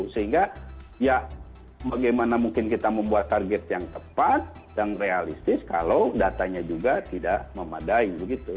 sehingga ya bagaimana mungkin kita membuat target yang tepat dan realistis kalau datanya juga tidak memadai begitu